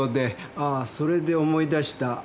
ああそれで思い出した。